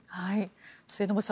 末延さん